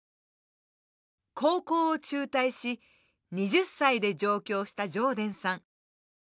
高校を中退し２０歳で上京した城田さん。